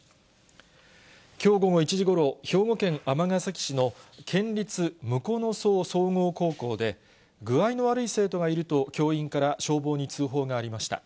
きょう午後１時ごろ、兵庫県尼崎市の県立武庫荘総合高校で、具合の悪い生徒がいると、教員から消防に通報がありました。